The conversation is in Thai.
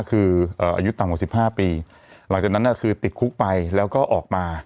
คืออายุต่ำกว่าสิบห้าปีหลังจากนั้นคือติดคุกไปแล้วก็ออกมา